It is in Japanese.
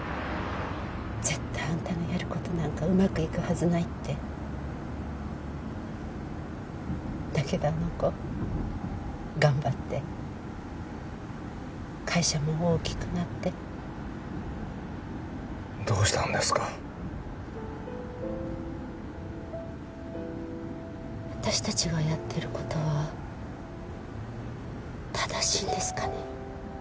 絶対アンタのやることなんかうまくいくはずないってだけどあの子頑張って会社も大きくなってどうしたんですか私達がやってることは正しいんですかね